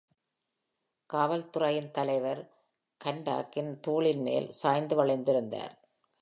காவல் துறையின் தலைவர் Hanaudஇன் தோளின்மேல் சாய்ந்து வளைந்து இருந்தார்.